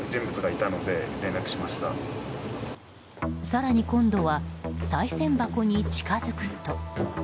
更に、今度はさい銭箱に近づくと。